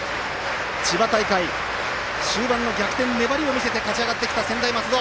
千葉大会、終盤の逆転粘りを見せて勝ち上がってきた専大松戸！